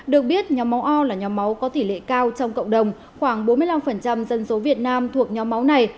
được biết nhóm máu o là nhóm máu có tỷ lệ cao trong cộng đồng khoảng bốn mươi năm dân số việt nam thuộc nhóm máu này